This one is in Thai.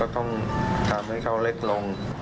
ถามให้เขาเล็กลง